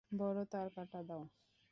বড় তারকাঁটা দাও।